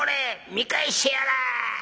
見返してやら！』。